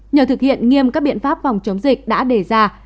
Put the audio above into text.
nhờ thực hiện nghiêm các biện pháp phòng chống dịch đã đề ra